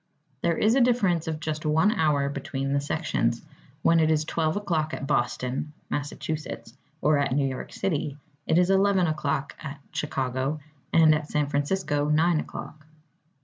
There is a difference of just one hour between the sections. When it is 12 o'clock at Boston, Mass., or at New York City, it is 11 o'clock at Chicago, and at San Francisco 9 o'clock.